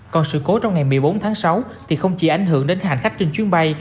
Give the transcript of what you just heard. còn sự cố trong ngày một mươi bốn tháng sáu thì không chỉ ảnh hưởng đến hành khách trên chuyến bay